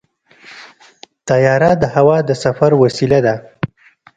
طیاره د هوا د سفر وسیله ده.